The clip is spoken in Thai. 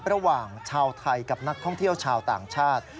ระหว่างชาวไทยกับนักท่องเที่ยวชาวต่างชาติ